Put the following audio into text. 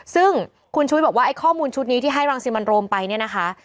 ซึ่งคุณชุวิตบอกว่าไอ้ข้อมูลชุดนี้ที่ให้รังสิมันโรมไปเนี่ยนะคะ